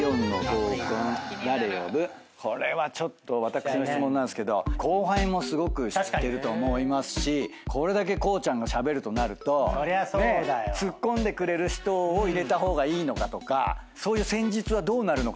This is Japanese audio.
これはちょっと私の質問なんですけど後輩もすごく知ってると思いますしこれだけこうちゃんがしゃべるとなるとツッコんでくれる人を入れた方がいいのかとか。